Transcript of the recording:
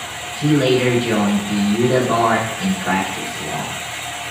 He later joined the Utah bar and practiced law.